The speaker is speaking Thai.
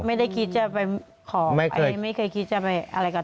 ไม่ได้คิดจะไปขอไม่เคยคิดจะไปอะไรกับ